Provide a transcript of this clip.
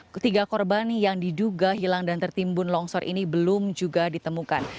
ketiga korban yang diduga hilang dan tertimbun longsor ini belum juga ditemukan